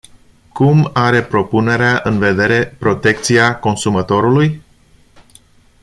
Cum are propunerea în vedere protecția consumatorului?